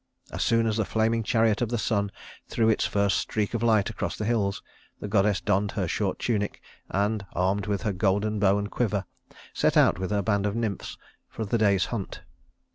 As soon as the flaming chariot of the sun threw its first streak of light across the hills, the goddess donned her short tunic, and, armed with her golden bow and quiver, set out with her band of nymphs for the day's hunt.